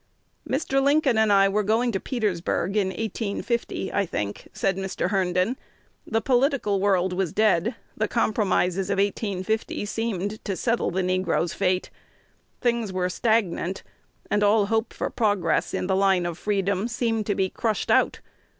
"Mr. Lincoln and I were going to Petersburg in 1850, I think," says Mr. Herndon. "The political world was dead: the compromises of 1850 seemed to settle the negro's fate. Things were stagnant; and all hope for progress in the line of freedom seemed to be crushed out.